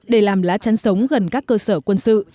để làm lá chắn sống gần các cơ sở quân sự